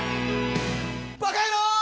バカ野郎！